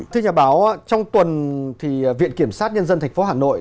thưa nhà báo trong tuần thì viện kiểm sát nhân dân thành phố hà nội